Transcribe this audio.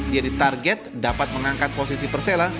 dia ditarget dapat mengangkat posisi persela